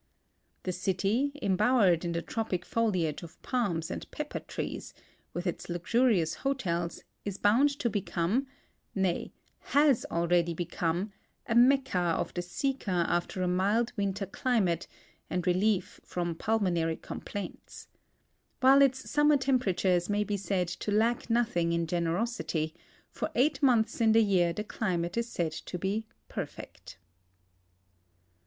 The city, embowered in the tropic foliage of palms and pepper trees, with its luxurious hotels, is bound to become — nay, has already become — a Mecca of the seeker after a mild winter cli mate and relief from pulmonary comi>laints. While its sum mer temperatures may be said to lack nothing in generosity, lor eight months in the year the climate is said to be perfect.